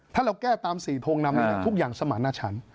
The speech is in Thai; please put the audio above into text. ถ้าเราแก้ตามสีทรงนำนี้ทุกอย่างสม่าหน้าฉัน